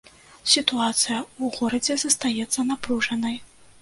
Сітуацыя ў горадзе застаецца напружанай.